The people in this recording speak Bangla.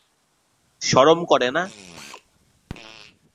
শরম করে না?